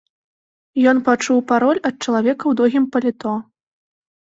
Ён пачуў пароль ад чалавека ў доўгім паліто.